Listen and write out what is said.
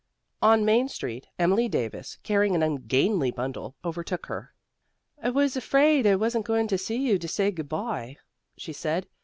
On Main Street, Emily Davis, carrying an ungainly bundle, overtook her. "I was afraid I wasn't going to see you to say good bye," she said.